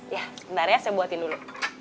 ya sebentar ya saya buatin dulu